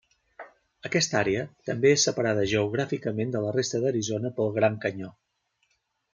Aquesta àrea també és separada geogràficament de la resta d'Arizona pel Gran Canyó.